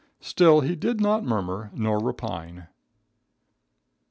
Still, he did not murmur or repine.